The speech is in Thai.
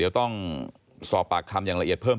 ที่มันก็มีเรื่องที่ดิน